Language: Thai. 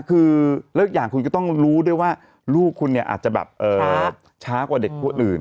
คือเลิกอย่างคุณก็ต้องรู้ด้วยว่าลูกคุณเนี่ยอาจจะแบบช้ากว่าเด็กผู้อื่น